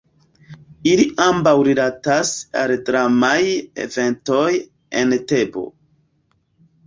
Ili ambaŭ rilatas al dramaj eventoj en Tebo.